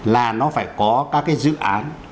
là nó phải có các cái dự án